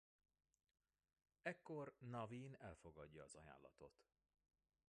Ekkor Naveen elfogadja az ajánlatot.